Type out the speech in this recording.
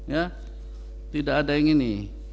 ya tidak ada yang ini